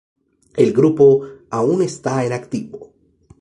El grupo aún está en activo.